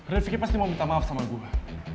refki pasti mau minta maaf sama gue